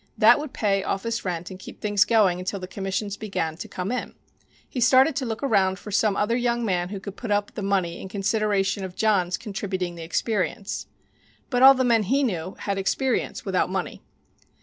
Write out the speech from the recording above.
That would pay office rent and keep things going until the commissions began to come in. He started to look around for some other young man who could put up the money in consideration of John's contributing the experience. But all the men he knew had experience without money.